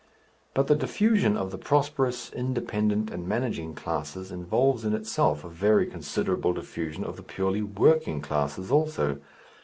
But the diffusion of the prosperous, independent, and managing classes involves in itself a very considerable diffusion of the purely "working" classes also.